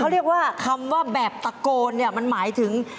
เขาเรียกว่าคำว่าแบบตะโกนเนี่ยมันหมายถึง